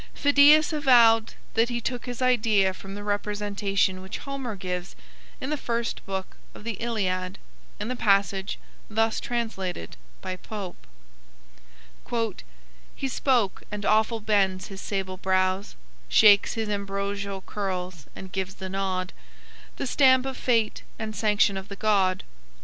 Phidias avowed that he took his idea from the representation which Homer gives in the first book of the "Iliad," in the passage thus translated by Pope: "He spoke and awful bends his sable brows, Shakes his ambrosial curls and gives the nod, The stamp of fate and sanction of the god.